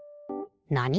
なに？